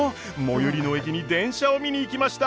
最寄りの駅に電車を見に行きました！